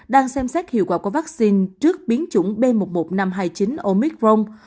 đang xem xét hiệu quả của vaccine trước biến chủng b một một năm trăm hai mươi chín omicron